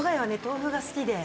豆腐が好きで。